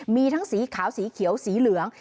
มีทั้งสีขาวสีเขียวสีเหลือง